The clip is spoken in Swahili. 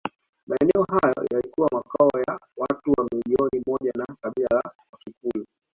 Maeneo hayo yalikuwa makao ya watu milioni moja wa kabila la Wakikuyu